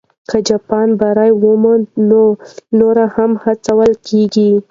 که جاپان بری ومومي، نو نور هم هڅول کېږي.